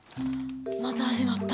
また始まった。